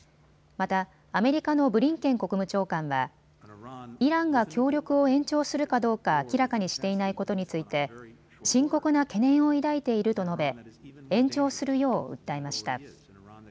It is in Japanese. また、アメリカのブリンケン国務長官はイランが協力を延長するかどうか明らかにしていないことについて深刻な懸念を抱いていると述べ延長するよう訴えました。